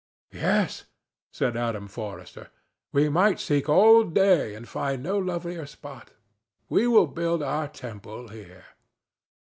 "Yes," said Adam Forrester; "we might seek all day and find no lovelier spot. We will build our temple here."